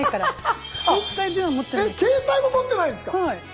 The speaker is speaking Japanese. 携帯も持ってないんすか⁉はい。